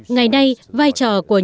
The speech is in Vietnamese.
ngày nay vai trò của chúng tôi là tự nhiên